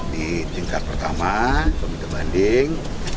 di tingkat pertama komite banding